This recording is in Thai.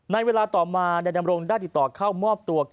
ในเวลาต่อมาดนามรงค์ได้ติดต่อเข้ามอบตัวกับดำรวดนครบร้านน้องจอก